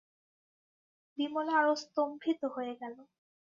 বিমলা আরো স্তম্ভিত হয়ে গেল।